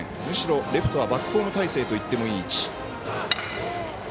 むしろレフトはバックホーム態勢といってもいい位置。